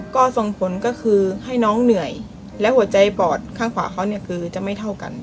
ก็ส่งผลก็คือให้น้องเหนื่อยและหัวใจปอดข้างขวาเขาเนี่ยคือจะไม่เท่ากัน